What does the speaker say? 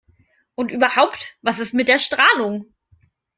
Und überhaupt: Was ist mit der Strahlung?